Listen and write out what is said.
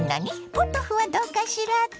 ポトフはどうかしらって？